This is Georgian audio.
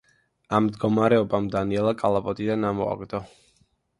ამ მდგომარეობამ დანიელა კალაპოტიდან ამოაგდო.